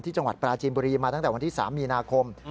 จังหวัดปราจีนบุรีมาตั้งแต่วันที่๓มีนาคม